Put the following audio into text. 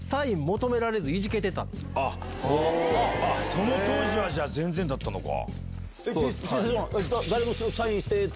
その当時は全然だったのか。